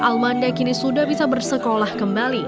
almanda kini sudah bisa bersekolah kembali